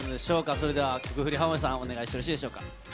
それでは曲振り、浜辺さん、お願いしてよろしいでしょうか。